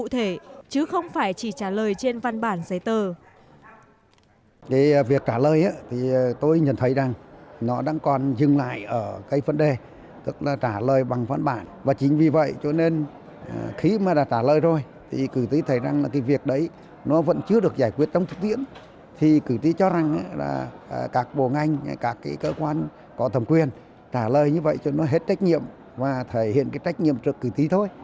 trả lời bằng những giải pháp cụ thể chứ không phải chỉ trả lời trên văn bản giấy tờ